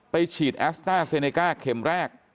ฉีดแอสต้าเซเนก้าเข็มแรก